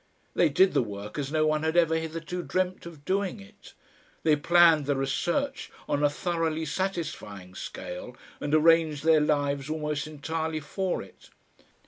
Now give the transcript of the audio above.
They did the work as no one had ever hitherto dreamt of doing it. They planned the research on a thoroughly satisfying scale, and arranged their lives almost entirely for it.